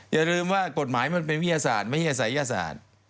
อย่าลืมว่ากฎหมายมันเป็นวิทยาศาสตร์ไม่ใช่ศัยยศาสตร์